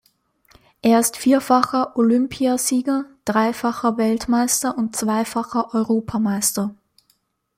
Er ist vierfacher Olympiasieger, dreifacher Weltmeister und zweifacher Europameister.